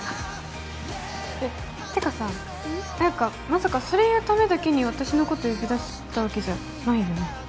まさかそれ言うためだけに私のこと呼び出したわけじゃないよね？